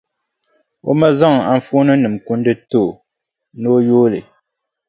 O ma zaŋ anfooninima kundi n-ti o, ni o yooi li.